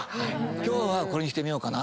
今日はこれにしてみようかな。